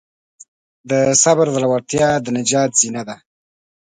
د صبر زړورتیا د نجات زینه ده.